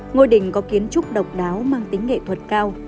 ngôi đình có kiến trúc độc đáo mang tính nghệ thuật cao